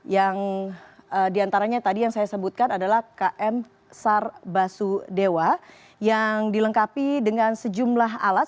yang diantaranya tadi yang saya sebutkan adalah km sar basudewa yang dilengkapi dengan sejumlah alat